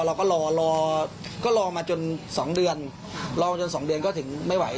เราก็รอรอก็รอมาจน๒เดือนรอจน๒เดือนก็ถึงไม่ไหว